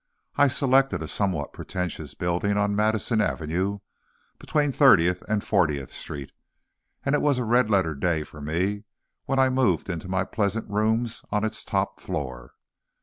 I selected a somewhat pretentious building on Madison Avenue between Thirtieth and Fortieth Streets, and it was a red letter day for me when I moved into my pleasant rooms on its top floor.